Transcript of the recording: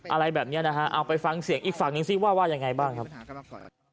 อะไรแบบนี้นะฮะเอาไปฟังเสียงอีกฝั่งหนึ่งซิว่าว่ายังไงบ้างครับ